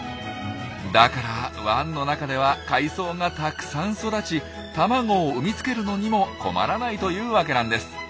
だから湾の中では海藻がたくさん育ち卵を産み付けるのにも困らないというわけなんです。